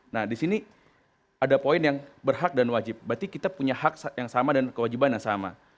nah di sini ada poin yang berhak dan wajib berarti kita punya hak yang sama dan kewajiban yang sama